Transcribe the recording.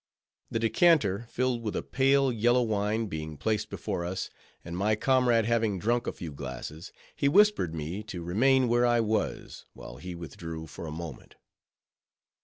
The decanter, filled with a pale yellow wine, being placed before us, and my comrade having drunk a few glasses; he whispered me to remain where I was, while he withdrew for a moment.